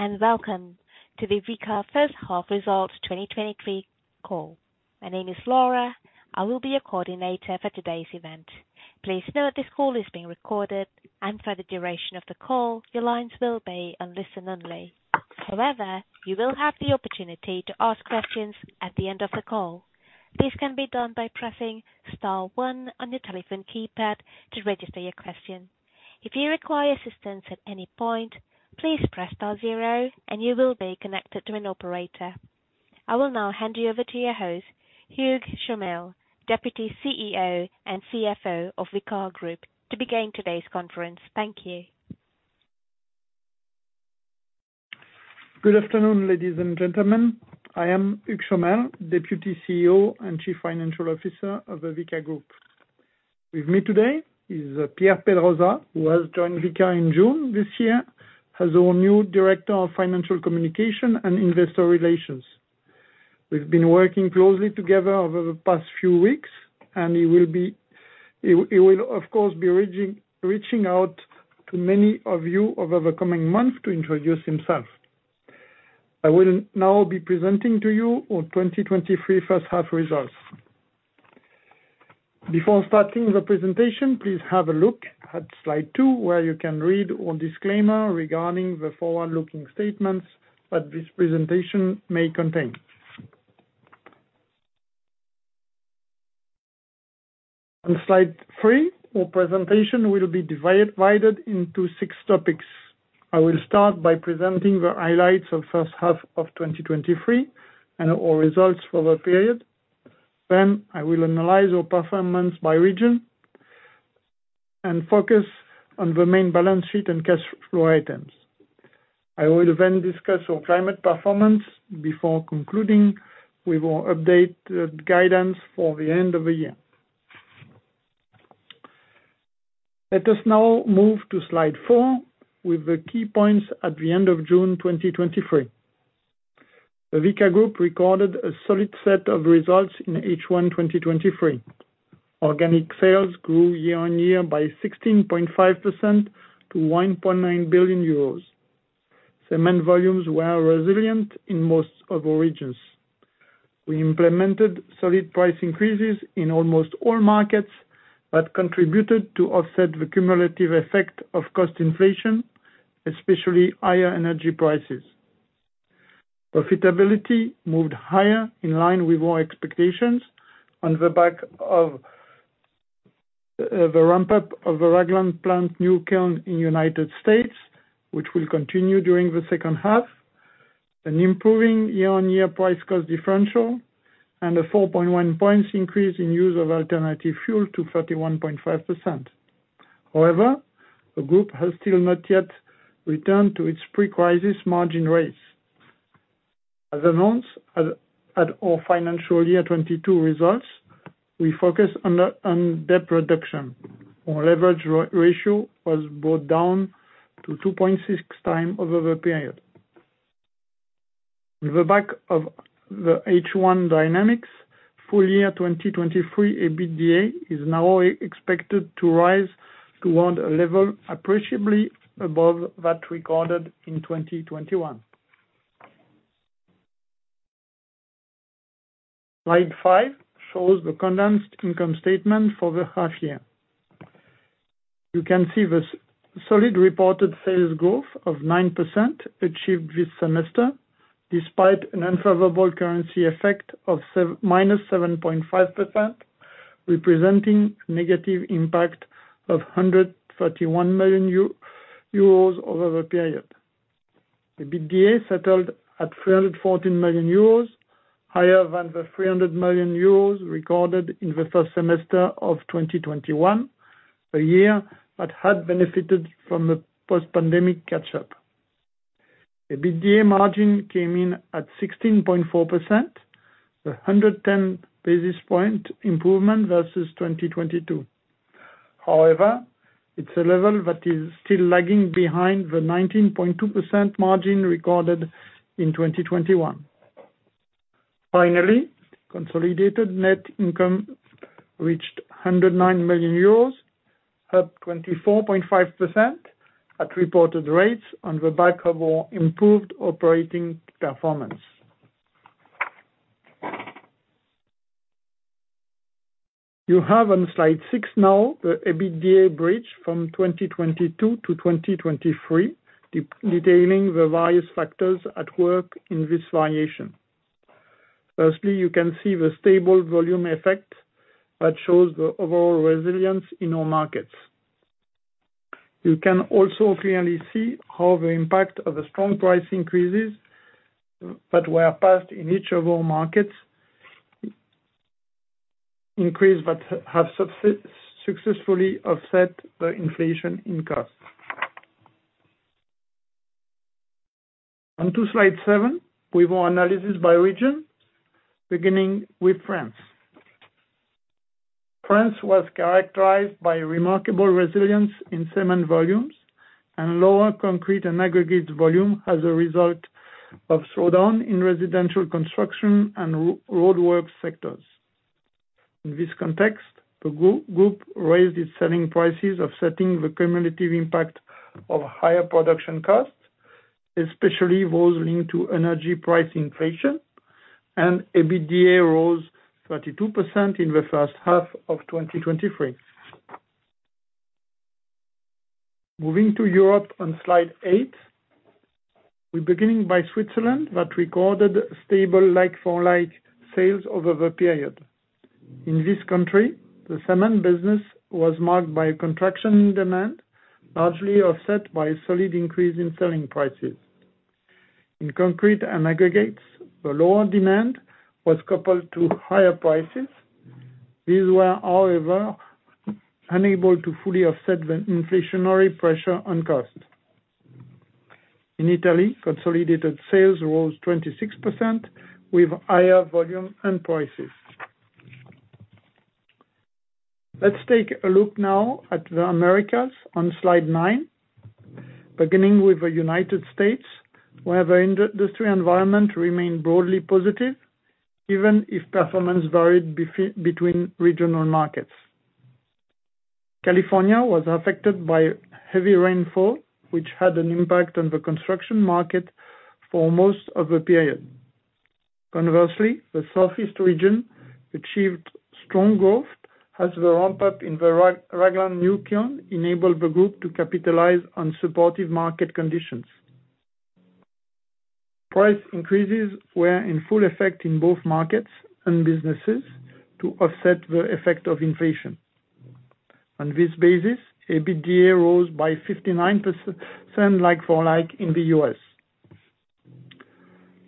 Hello, welcome to the Vicat First Half Results 2023 Call. My name is Laura. I will be your coordinator for today's event. Please note that this call is being recorded, and for the duration of the call, your lines will be on listen-only. However, you will have the opportunity to ask questions at the end of the call. This can be done by pressing star one on your telephone keypad to register your question. If you require assistance at any point, please press star zero, and you will be connected to an operator. I will now hand you over to your host, Hugues Chomel, Deputy CEO and CFO of Vicat Group, to begin today's conference. Thank you. Good afternoon, ladies and gentlemen. I am Hugues Chomel, Deputy CEO and Chief Financial Officer of the Vicat Group. With me today is Pierre Pedrosa, who has joined Vicat in June this year, as our new Director of Financial Communication and Investor Relations. We've been working closely together over the past few weeks. He will, of course, be reaching out to many of you over the coming months to introduce himself. I will now be presenting to you our 2023 first-half results. Before starting the presentation, please have a look at slide two, where you can read our disclaimer regarding the forward-looking statements that this presentation may contain. On slide three, our presentation will be divided into 6 topics. I will start by presenting the highlights of first half of 2023 and our results for the period. I will analyze our performance by region and focus on the main balance sheet and cash flow items. I will then discuss our climate performance before concluding with our updated guidance for the end of the year. Let us now move to slide four with the key points at the end of June 2023. The Vicat Group recorded a solid set of results in H1 2023. Organic sales grew year-on-year by 16.5% to 1.9 billion euros. Cement volumes were resilient in most of our regions. We implemented solid price increases in almost all markets, which contributed to offset the cumulative effect of cost inflation, especially higher energy prices. Profitability moved higher in line with our expectations on the back of the ramp-up of the Ragland new kiln in United States, which will continue during the second half. An improving year-on-year price cost differential, and a 4.1 points increase in use of alternative fuel to 31.5%. However, the group has still not yet returned to its pre-crisis margin rates. As announced at our financial year 2022 results, we focus on debt reduction. Our leverage ratio was brought down to 2.6x over the period. With the back of the H1 dynamics, full year 2023, EBITDA is now expected to rise toward a level appreciably above that recorded in 2021. Slide five shows the condensed income statement for the half-year. You can see the solid reported sales growth of 9% achieved this semester, despite an unfavorable currency effect of -7.5%, representing negative impact of 131 million euros over the period. EBITDA settled at 314 million euros, higher than the 300 million euros recorded in the first semester of 2021, a year that had benefited from the post-pandemic catch-up. EBITDA margin came in at 16.4%, a 110 basis point improvement versus 2022. It's a level that is still lagging behind the 19.2% margin recorded in 2021. Consolidated net income reached 109 million euros, up 24.5% at reported rates on the back of our improved operating performance. You have on Slide 6 now, the EBITDA bridge from 2022 to 2023, detailing the various factors at work in this variation. You can see the stable volume effect that shows the overall resilience in our markets. You can also clearly see how the impact of the strong price increases that were passed in each of our markets, increase but have successfully offset the inflation in cost. On Slide 7, with our analysis by region, beginning with France. France was characterized by remarkable resilience in cement volumes, and lower concrete and aggregate volume as a result of slowdown in residential construction and roadwork sectors. In this context, the group raised its selling prices, offsetting the cumulative impact of higher production costs, especially those linked to energy price inflation, and EBITDA rose 32% in H1 2023. Moving to Europe on Slide 8. We're beginning by Switzerland, that recorded stable, like-for-like sales over the period. In this country, the cement business was marked by a contraction in demand, largely offset by a solid increase in selling prices. In concrete and aggregates, the lower demand was coupled to higher prices. These were, however, unable to fully offset the inflationary pressure on cost. In Italy, consolidated sales rose 26% with higher volume and prices. Let's take a look now at the Americas on Slide 9. Beginning with the United States, where the industry environment remained broadly positive, even if performance varied between regional markets. California was affected by heavy rainfall, which had an impact on the construction market for most of the period. Conversely, the Southeast region achieved strong growth as the ramp-up in the Ragland new kiln enabled the group to capitalize on supportive market conditions. Price increases were in full effect in both markets and businesses to offset the effect of inflation. On this basis, EBITDA rose by 59%, like-for-like in the US.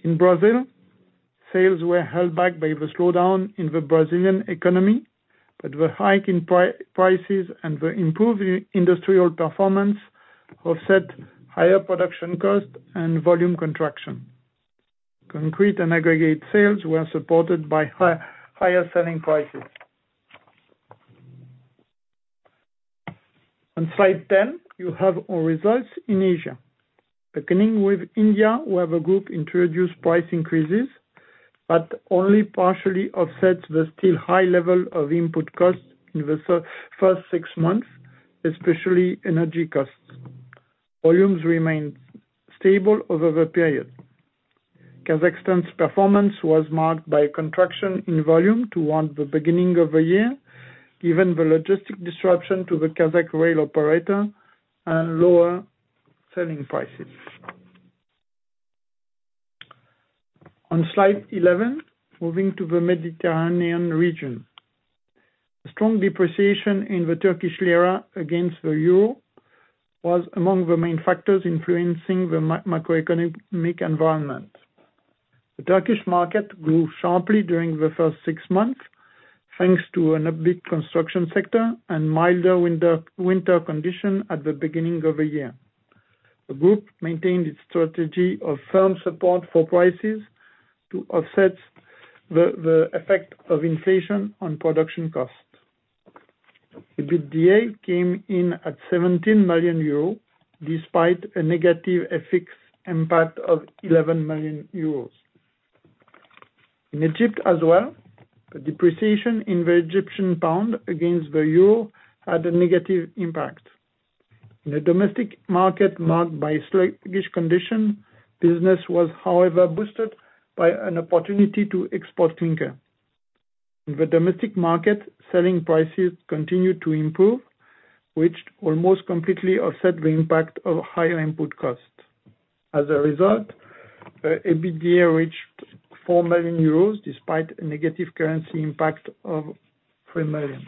In Brazil, sales were held back by the slowdown in the Brazilian economy, but the hike in prices and the improved industrial performance offset higher production costs and volume contraction. Concrete and aggregate sales were supported by higher selling prices. On Slide 10, you have our results in Asia. Beginning with India, where the group introduced price increases, but only partially offset the still high level of input costs in the first 6 months, especially energy costs. Volumes remained stable over the period. Kazakhstan's performance was marked by a contraction in volume toward the beginning of the year, given the logistic disruption to the Kazakh rail operator and lower selling prices. On Slide 11, moving to the Mediterranean region. A strong depreciation in the Turkish lira against the euro was among the main factors influencing the macroeconomic environment. The Turkish market grew sharply during the first six months, thanks to an upbeat construction sector and milder winter condition at the beginning of the year. The group maintained its strategy of firm support for prices to offset the effect of inflation on production costs. EBITDA came in at 17 million euros, despite a negative FX impact of 11 million euros. In Egypt as well, the depreciation in the Egyptian pound against the euro had a negative impact. In a domestic market marked by sluggish conditions, business was, however, boosted by an opportunity to export clinker. In the domestic market, selling prices continued to improve, which almost completely offset the impact of higher input costs. As a result, EBITDA reached 4 million euros, despite a negative currency impact of 3 million.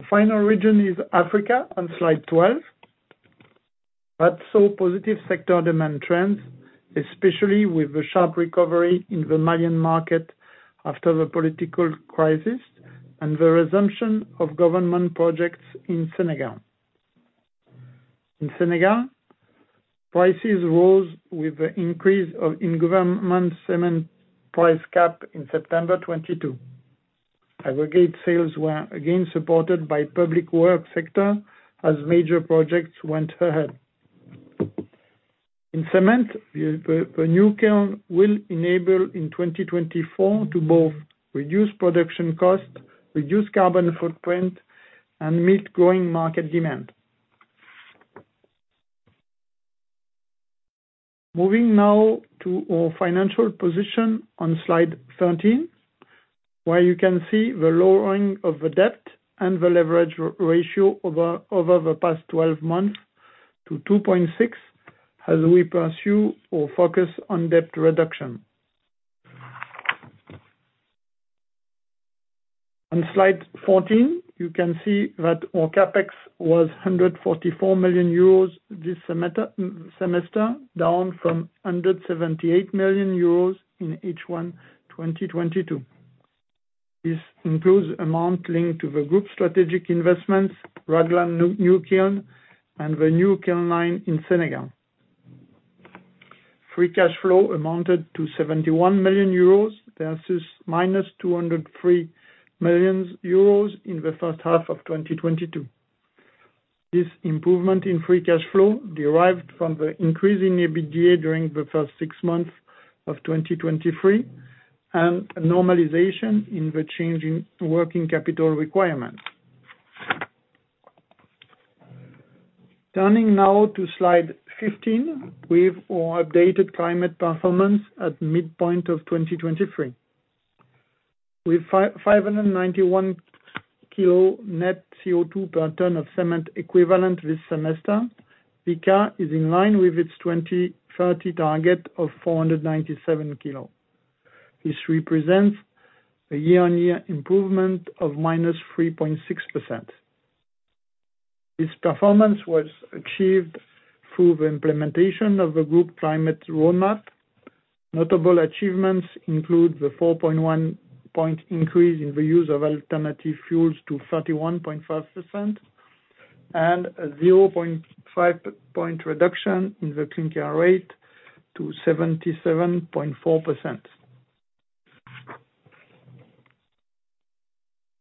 The final region is Africa, on Slide 12, that saw positive sector demand trends, especially with the sharp recovery in the Malian market after the political crisis and the resumption of government projects in Senegal. In Senegal, prices rose with the increase in government cement price cap in September 2022. Aggregate sales were again supported by public work sector as major projects went ahead. In cement, the new kiln will enable in 2024 to both reduce production cost, reduce carbon footprint, and meet growing market demand. Moving now to our financial position on Slide 13, where you can see the lowering of the debt and the Leverage Ratio over the past 12 months to 2.6x, as we pursue our focus on debt reduction. On Slide 14, you can see that our CapEx was 144 million euros this semester, down from 178 million euros in H1 2022. This includes amount linked to the group strategic investments, Ragland new kiln, and the new kiln line in Senegal. Free Cash Flow amounted to 71 million euros, versus -203 millions euros in the first half of 2022. This improvement in Free Cash Flow derived from the increase in EBITDA during the first six months of 2023, and a normalization in the change in Working Capital requirements. Turning now to Slide 15, with our updated climate performance at midpoint of 2023. With 591 kilo net CO2 per ton of cement equivalent this semester, Vicat is in line with its 2030 target of 497 kilo. This represents a year-on-year improvement of -3.6%. This performance was achieved through the implementation of the group climate roadmap. Notable achievements include the 4.1 point increase in the use of alternative fuels to 31.5%, and a 0.5 point reduction in the clinker rate to 77.4%.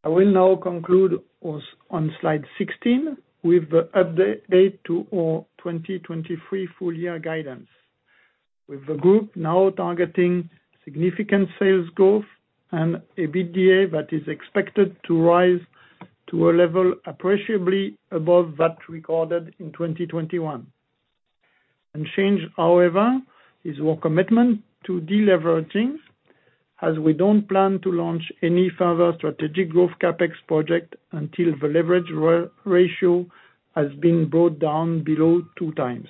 I will now conclude on Slide 16, with the update to our 2023 full year guidance. With the group now targeting significant sales growth and EBITDA that is expected to rise to a level appreciably above that recorded in 2021. Unchanged, however, is our commitment to deleveraging, as we don't plan to launch any further strategic growth CapEx project until the leverage ratio has been brought down below 2x.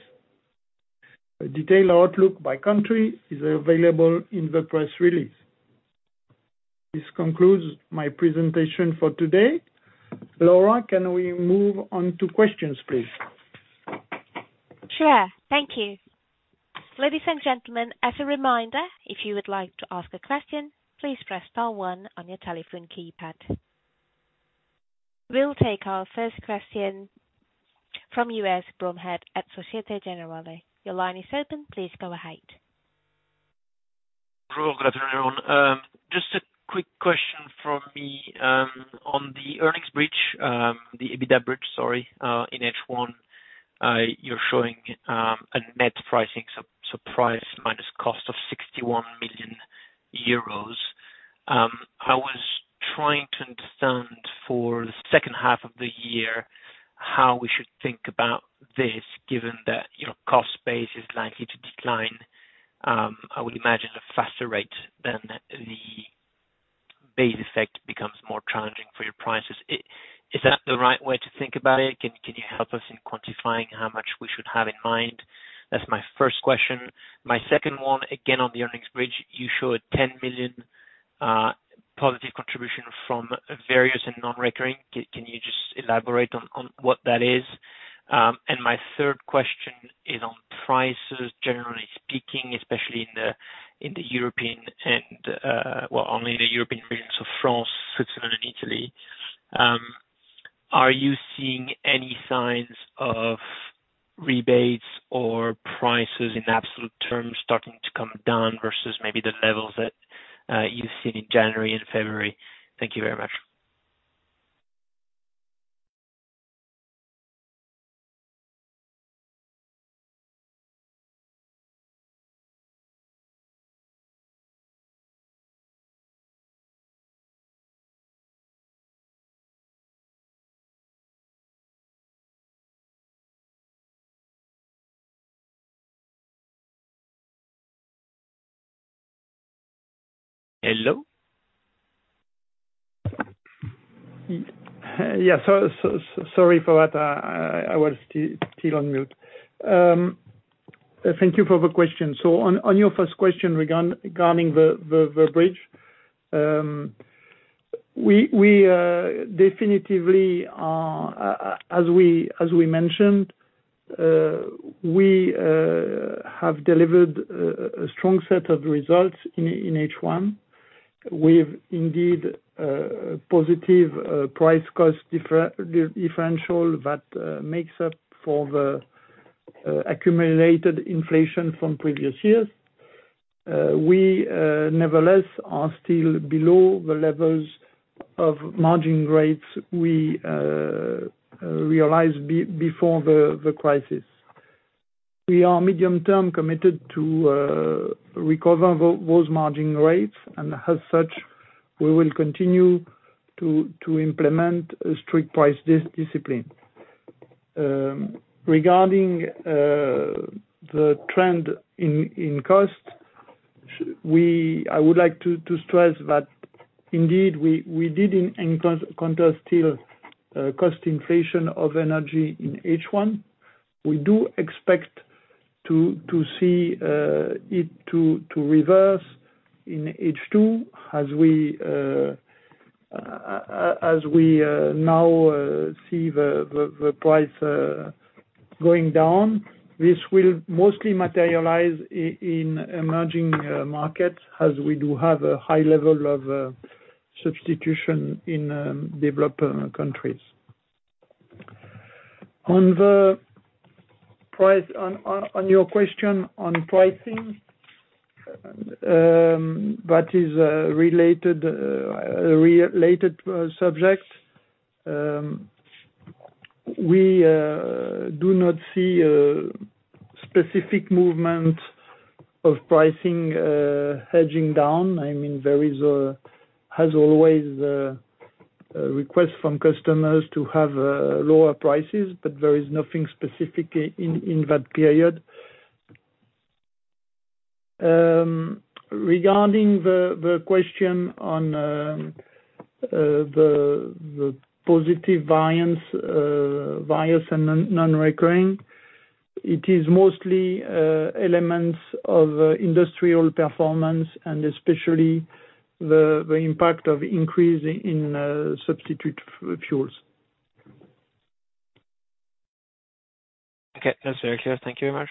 A detailed outlook by country is available in the press release. This concludes my presentation for today. Laura, can we move on to questions, please? Sure. Thank you. Ladies and gentlemen, as a reminder, if you would like to ask a question, please press star one on your telephone keypad. We'll take our first question from Yves Bromhead Société Générale. Your line is open, please go ahead. Good afternoon, everyone. Just a quick question from me on the earnings bridge, the EBITDA bridge, sorry, in H1. You're showing a net pricing surprise, minus cost of 61 million euros. I was trying to understand for the second half of the year, how we should think about this, given that, you know, cost base is likely to decline, I would imagine a faster rate than the base effect becomes more challenging for your prices. Is that the right way to think about it? Can you help us in quantifying how much we should have in mind? That's my first question. My second one, again, on the earnings bridge, you showed 10 million positive contribution from various and non-recurring. Can you just elaborate on what that is? My third question is on prices, generally speaking, especially in the European and, only in the European regions of France, Switzerland, and Italy. Are you seeing any signs of rebates or prices in absolute terms starting to come down versus maybe the levels that you've seen in January and February? Thank you very much. Hello? Yeah, sorry for that. I was still on mute. Thank you for the question. On your first question regarding the bridge, we definitively as we mentioned, we have delivered a strong set of results in H1. We've indeed positive price cost differential that makes up for the accumulated inflation from previous years. We nevertheless are still below the levels of margin rates we realized before the crisis. We are medium-term committed to recover those margin rates, and as such, we will continue to implement a strict price discipline. Regarding the trend in cost, I would like to stress that indeed, we did in contra still cost inflation of energy in H1. We do expect to see it to reverse in H2, as we now see the price going down. This will mostly materialize in emerging markets, as we do have a high level of substitution in developed countries. On your question on pricing, that is a related subject. We do not see a specific movement of pricing hedging down. I mean, there is as always a request from customers to have lower prices, but there is nothing specific in that period. Regarding the question on the positive variance and non-recurring, it is mostly elements of industrial performance, and especially the impact of increase in substitute fuels. Okay, that's very clear. Thank you very much.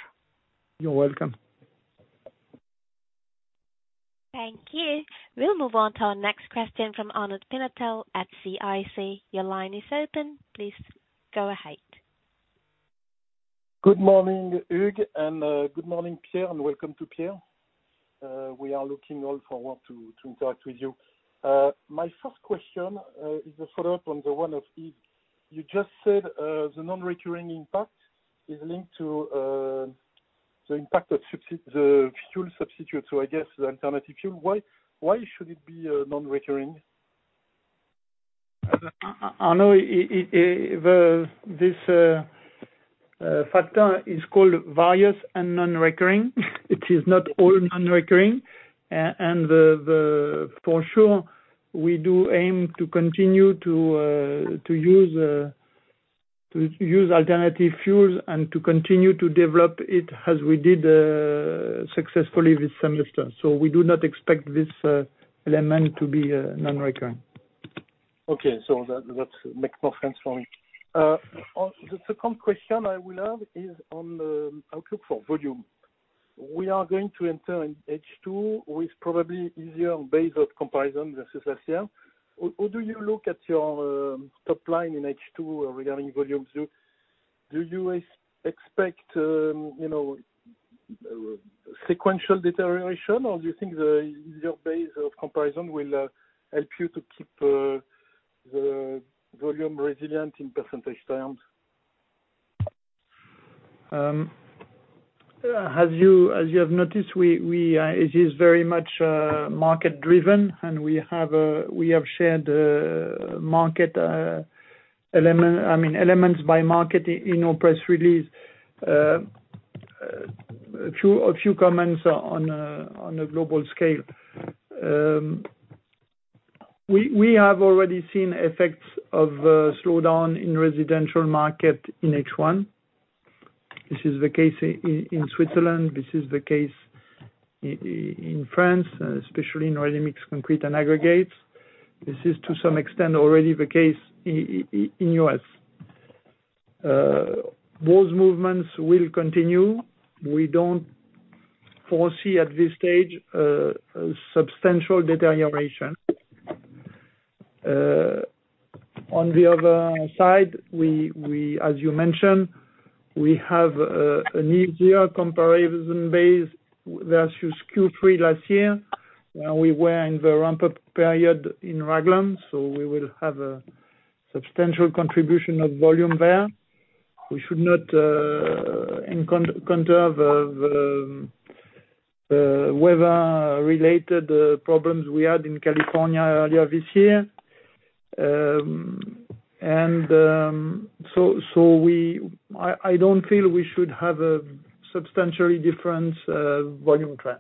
You're welcome. Thank you. We'll move on to our next question from Arnaud Palliez at CIC. Your line is open. Please go ahead. Good morning, Hugues, and good morning, Pierre, and welcome to Pierre. We are looking all forward to interact with you. My first question is a follow-up on the one of Hugues. You just said the non-recurring impact is linked to the impact that the fuel substitute, so I guess the alternative fuel. Why should it be non-recurring? I know, it this factor is called various and non-recurring. It is not all non-recurring. For sure, we do aim to continue to use alternative fuels and to continue to develop it as we did successfully with semester. We do not expect this element to be non-recurring. Okay, that makes more sense for me. On the second question I will have is on the outlook for volume. We are going to enter in H2, is probably easier base of comparison versus last year. How do you look at your top line in H2 regarding volumes? Do you expect, you know, sequential deterioration, do you think the easier base of comparison will help you to keep the volume resilient in percentage terms? As you have noticed, we, it is very much market driven, and we have shared market element, I mean, elements by market in our press release. A few comments on a global scale. We have already seen effects of a slowdown in residential market in H1. This is the case in Switzerland, this is the case in France, especially in ready-mix concrete and aggregates. This is to some extent, already the case in U.S. Those movements will continue. We don't foresee at this stage a substantial deterioration. On the other side, we, as you mentioned, we have an easier comparison base versus Q3 last year, where we were in the ramp-up period in Ragland, so we will have a substantial contribution of volume there. We should not encounter the weather-related problems we had in California earlier this year. So I don't feel we should have a substantially different volume trend.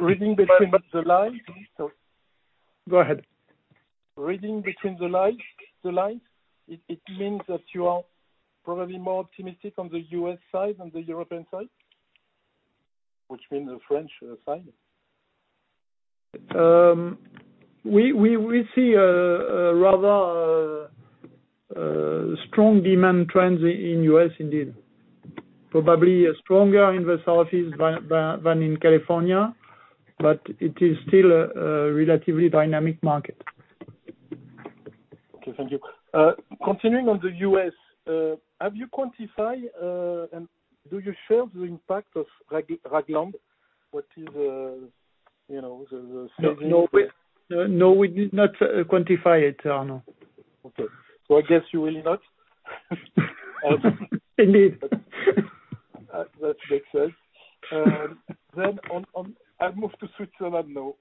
Reading between the lines, it means that you are probably more optimistic on the US side than the European side, which means the French side? We see a rather strong demand trends in U.S. indeed. Probably stronger in the Southeast than in California, but it is still a relatively dynamic market. Okay. Thank you. Continuing on the U.S., have you quantified, and do you share the impact of Ragland? What is, you know, the. No, we, no, we did not quantify it, Arnaud. Okay. I guess you will not? Indeed. That makes sense. I'll move to Switzerland now.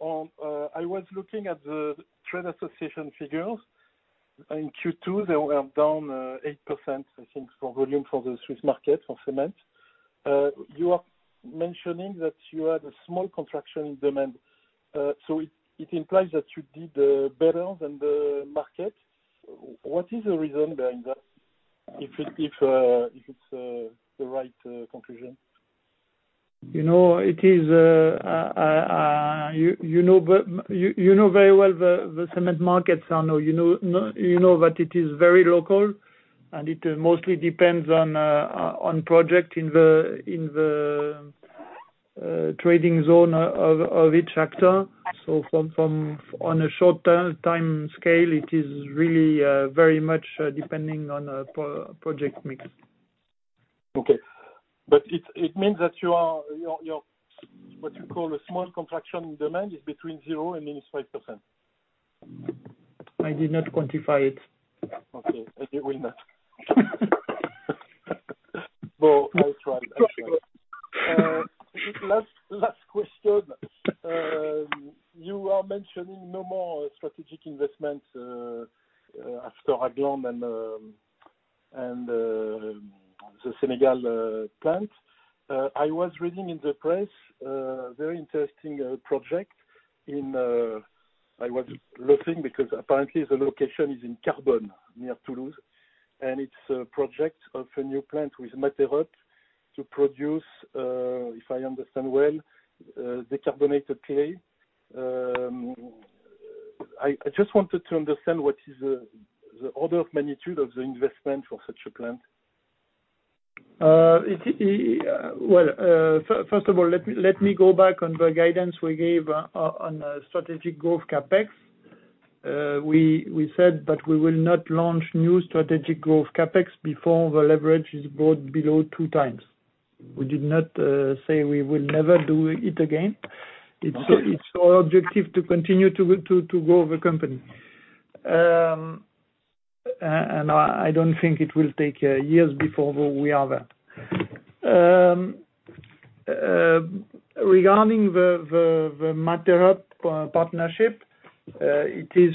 I was looking at the trade association figures. In Q2, they were down 8%, I think, for volume for the Swiss market, for cement. You are mentioning that you had a small contraction in demand, it implies that you did better than the market. What is the reason behind that, if it's the right conclusion? You know, it is, you know very well the cement markets, Arnaud. You know that it is very local, and it mostly depends on project in the trading zone of each actor. From, on a short-term time scale, it is really depends on project mix. Okay. It means that you are, your, what you call a small contraction demand, is between 0% and -5%? I did not quantify it. Okay. You will not. Well, I tried. Last question. You are mentioning no more strategic investments after Ragland and the Senegal plant. I was reading in the press, very interesting project in I was laughing because apparently the location is in Carbonne, near Toulouse, and it's a project of a new plant with Materrup to produce, if I understand well, decarbonated clay. I just wanted to understand what is the order of magnitude of the investment for such a plant. Well, first of all, let me go back on the guidance we gave on strategic growth CapEx. We said that we will not launch new strategic growth CapEx before the leverage is brought below 2x. We did not say we will never do it again. It's our objective to continue to grow the company. I don't think it will take years before we are there. Regarding the Materrup partnership, it is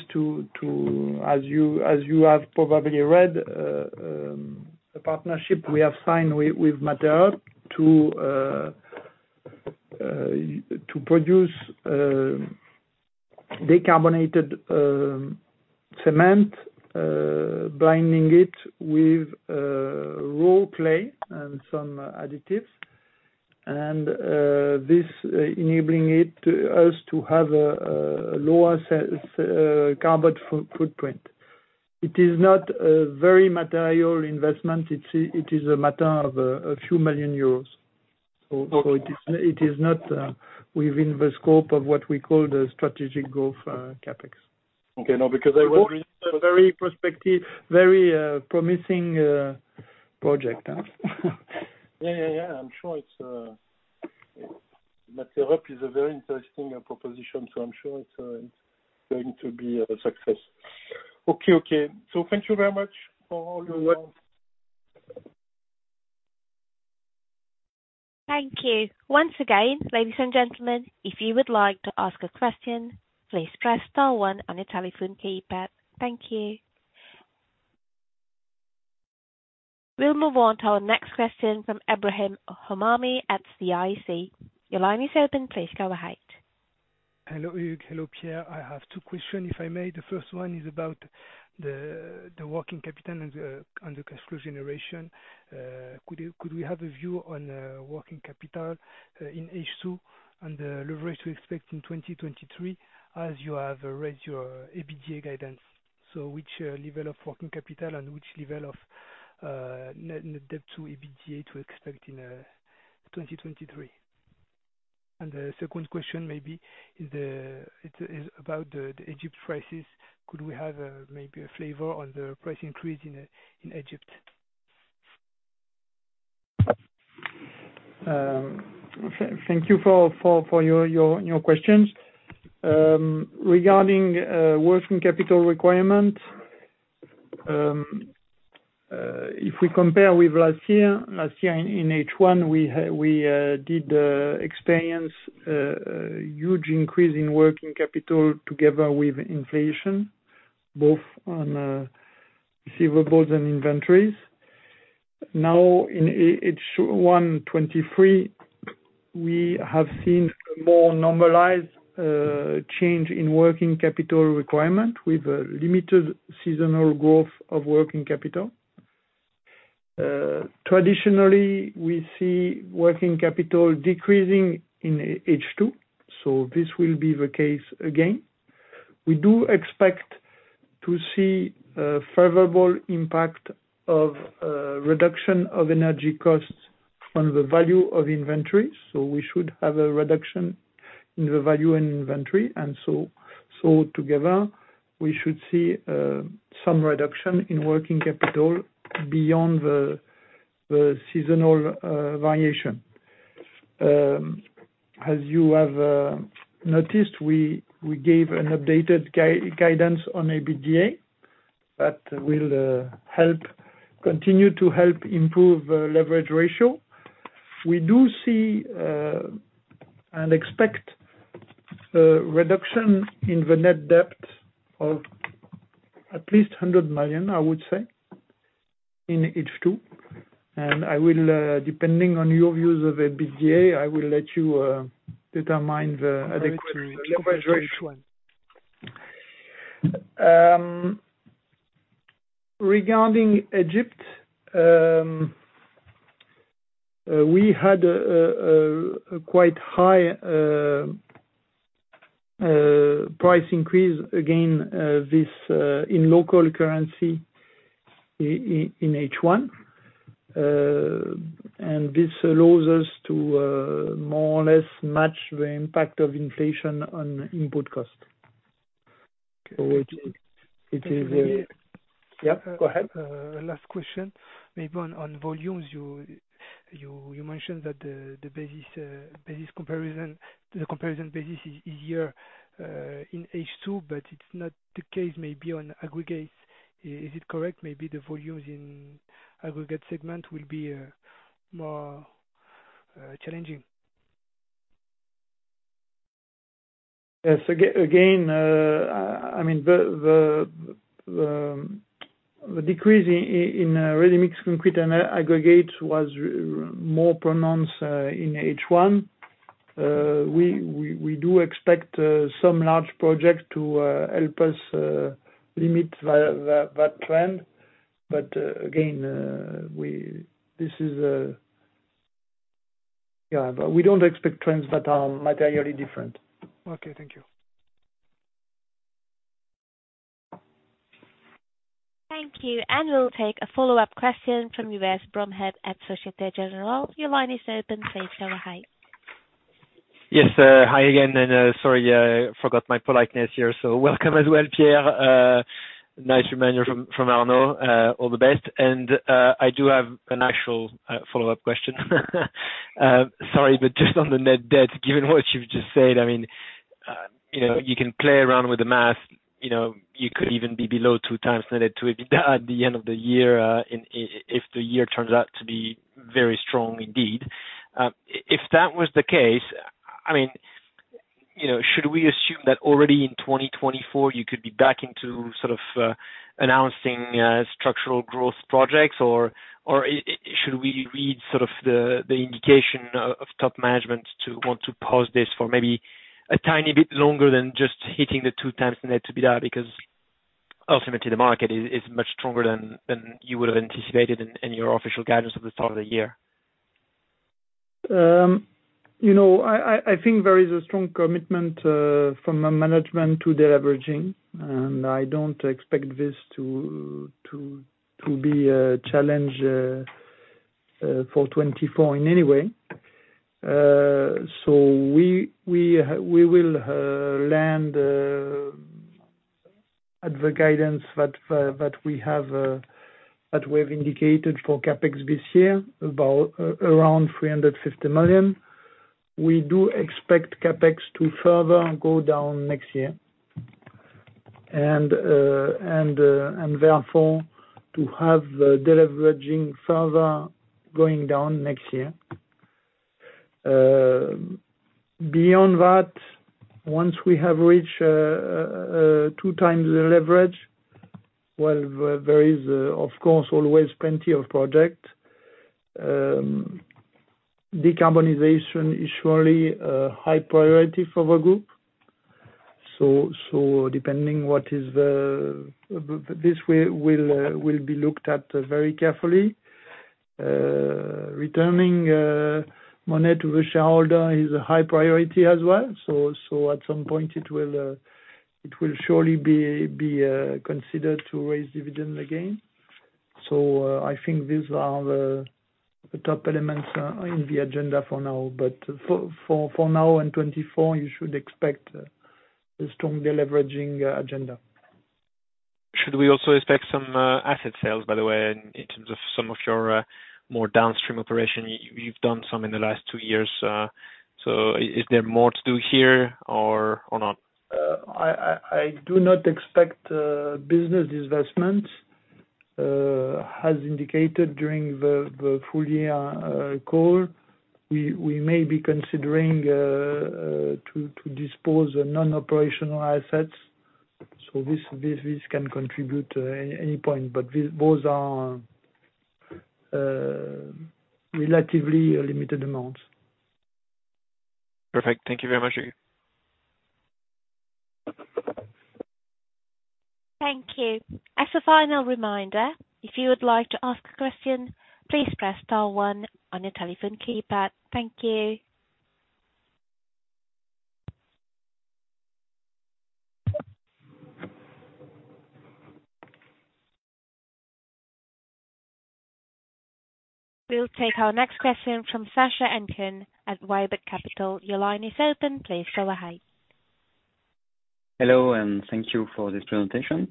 as you have probably read, the partnership we have signed with Materrup to produce decarbonated cement, blending it with raw clay and some additives. This enabling it to us, to have a lower carbon footprint. It is not a very material investment. It is a matter of a few million EUR. It is not within the scope of what we call the strategic growth CapEx. Okay, no, because I read a very prospective, very promising project. Yeah, yeah, yeah. I'm sure it's Materrup is a very interesting proposition, so I'm sure it's going to be a success. Okay, okay. Thank you very much for all your help. Thank you. Once again, ladies and gentlemen, if you would like to ask a question, please press star 1 on your telephone keypad. Thank you. We'll move on to our next question from Ebrahim Homayoun at CIC. Your line is open, please go ahead. Hello, Hugues, hello, Pierre. I have two questions, if I may. The first one is about the, the Working Capital and the, and the cash flow generation. Could we have a view on Working Capital in H2, and the leverage we expect in 2023, as you have raised your EBITDA guidance? Which level of Working Capital and which level of net, net debt to EBITDA to expect in 2023? And the second question maybe is it's about the, the Egypt prices. Could we have maybe a flavor on the price increase in Egypt? Thank you for your questions. Regarding working capital requirement, if we compare with last year, last year in H1, we did experience a huge increase in working capital together with inflation, both on receivables and inventories. Now, in H1 2023, we have seen a more normalized change in working capital requirement, with a limited seasonal growth of working capital. Traditionally, we see working capital decreasing in H2, this will be the case again. We do expect to see a favorable impact of reduction of energy costs on the value of inventory, we should have a reduction in the value and inventory. Together, we should see some reduction in working capital beyond the seasonal variation. As you have noticed, we gave an updated guidance on EBITDA, that will continue to help improve the Leverage Ratio. We do see and expect reduction in the net debt of at least 100 million, I would say, in H2. I will depending on your views of EBITDA, I will let you determine the appropriate one. Regarding Egypt, we had a quite high price increase again, this in local currency in H1. This allows us to more or less match the impact of inflation on input cost, which it is. Yep, go ahead. Last question. Maybe on, on volumes, you mentioned that the basis comparison, the comparison basis is easier in H2, but it's not the case maybe on aggregates. Is it correct? Maybe the volumes in aggregate segment will be more challenging. Yes. Again, I mean, the decrease in ready-mix concrete and aggregates was more pronounced in H1. We do expect some large projects to help us limit that trend. Again, Yeah, but we don't expect trends that are materially different. Okay, thank you. Thank you. We'll take a follow-up question from Yves Bromhead at Société Générale. Your line is open, please go ahead. Yes, hi again, and sorry, I forgot my politeness here, so welcome as well, Pierre. Nice reminder from Arnaud, all the best. I do have an actual follow-up question. Sorry, but just on the net debt, given what you've just said, you can play around with the math, you know, you could even be below 2x net debt to EBITDA at the end of the year, if the year turns out to be very strong indeed. If that was the case, I mean, you know, should we assume that already in 2024 you could be back into sort of announcing structural growth projects? Should we read sort of the indication of top management to want to pause this for maybe a tiny bit longer than just hitting the 2x net to EBITDA, because ultimately the market is much stronger than you would've anticipated in your official guidance at the start of the year? I think there is a strong commitment from the management to deleveraging, and I don't expect this to be a challenge for 2024 in any way. So we, we will land at the guidance that we have indicated for CapEx this year, about around 350 million. We do expect CapEx to further go down next year, and therefore, to have deleveraging further going down next year. Beyond that, once we have reached 2x the Leverage Ratio, well, there is, of course, always plenty of project. Decarbonization is surely a high priority for the group. This we will be looked at very carefully. Returning money to the shareholder is a high priority as well. At some point it will surely be considered to raise dividend again. I think these are the top elements in the agenda for now. For now, in 2024, you should expect a strong deleveraging agenda. Should we also expect some asset sales, by the way, in terms of some of your more downstream operation? You've done some in the last two years, so is there more to do here or not? I do not expect business investment. As indicated during the full year call, we may be considering to dispose the non-operational assets, so this can contribute to any point, but those are relatively limited amounts. Perfect. Thank you very much, again. Thank you. As a final reminder, if you would like to ask a question, please press star 1 on your telephone keypad. Thank you. We'll take our next question from Anne-Sophie d'Andlau from CI AM. Your line is open, please go ahead. Hello. Thank you for this presentation.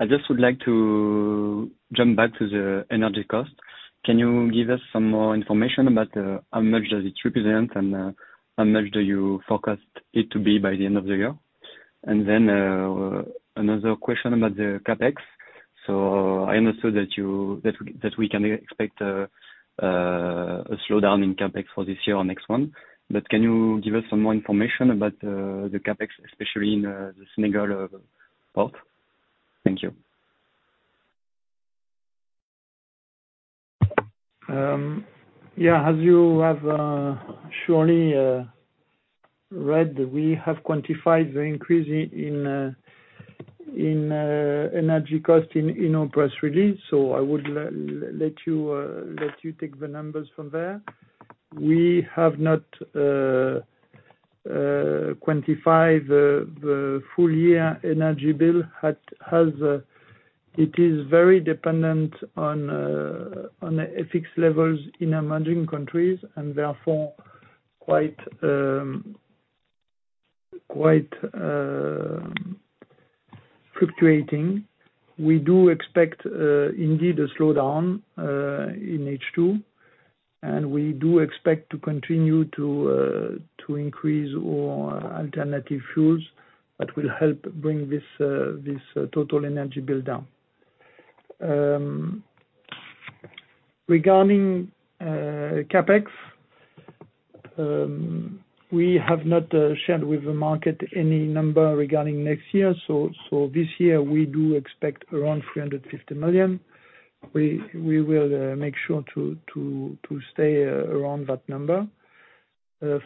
I just would like to jump back to the energy cost. Can you give us some more information about how much does it represent and how much do you forecast it to be by the end of the year? Another question about the CapEx. I understood that we can expect a slowdown in CapEx for this year or next one. Can you give us some more information about the CapEx, especially in the Senegal port? Thank you. As you have surely read, we have quantified the increase in energy cost in our press release, so I would let you take the numbers from there. We have not quantified the full year energy bill. It is very dependent on the FX levels in emerging countries, and therefore quite fluctuating. We do expect indeed a slowdown in H2, and we do expect to continue to increase our alternative fuels that will help bring this total energy bill down. Regarding CapEx, we have not shared with the market any number regarding next year, this year we do expect around 350 million. We will make sure to stay around that number.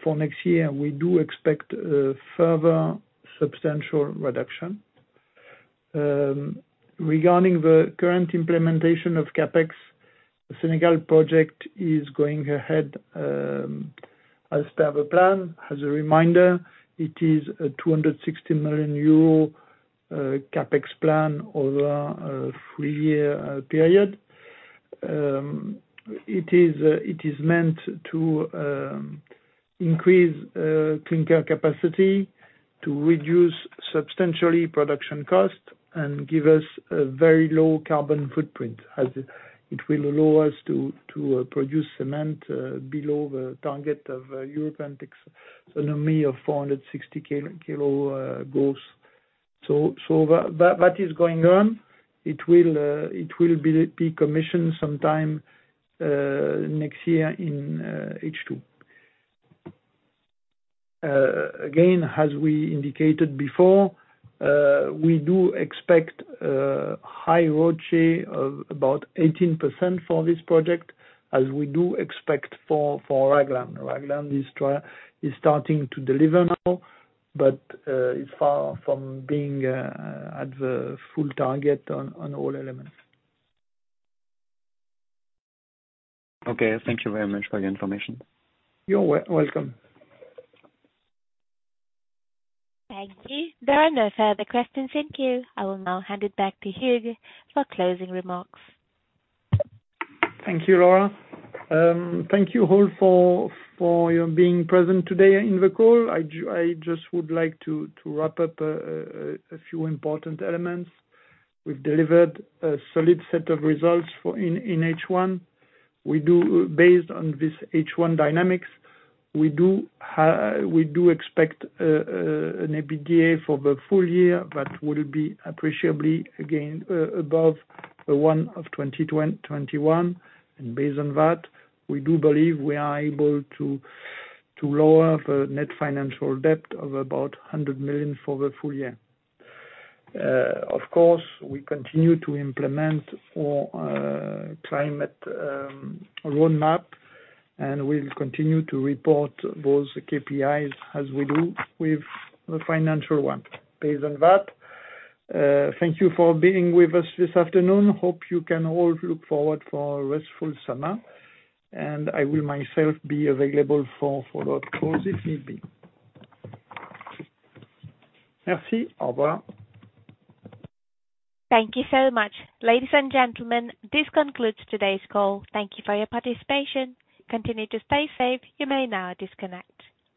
For next year, we do expect a further substantial reduction. Regarding the current implementation of CapEx, the Senegal project is going ahead as per the plan. As a reminder, it is a 260 million euro CapEx plan over a three-year period. It is meant to increase clinker capacity, to reduce substantially production cost, and give us a very low carbon footprint, as it will allow us to produce cement below the target of European tax, an army of 460 kilo gross. That is going on. It will be commissioned sometime next year in H2. Again, as we indicated before, we do expect high ROCE of about 18% for this project, as we do expect for Ragland. Ragland is starting to deliver now, but, it's far from being at the full target on all elements. Okay, thank you very much for the information. You're welcome. Thank you. There are no further questions in queue. I will now hand it back to Hugues for closing remarks. Thank you, Laura. Thank you all for your being present today in the call. I just would like to wrap up a few important elements. We've delivered a solid set of results in H1. We do, based on this H1 dynamics, we do expect an EBITDA for the full year that would be appreciably again above the one of 2021. Based on that, we do believe we are able to lower the net financial debt of about 100 million for the full year. Of course, we continue to implement our climate roadmap, and we'll continue to report those KPIs as we do with the financial one. Based on that, thank you for being with us this afternoon. Hope you can all look forward for a restful summer, and I will myself be available for ad calls, if need be. Merci, au revoir. Thank you so much. Ladies and gentlemen, this concludes today's call. Thank you for your participation. Continue to stay safe. You may now disconnect.